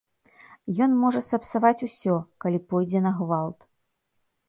Ён можа сапсаваць усё, калі пойдзе на гвалт.